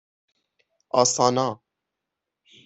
آسانا